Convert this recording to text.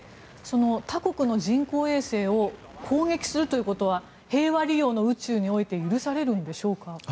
他国の人工衛星を攻撃するということは平和利用の宇宙において許されるんでしょうか？